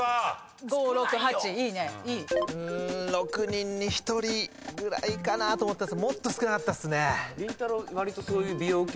６人に１人ぐらいかなと思ったんですけどもっと少なかったっすね。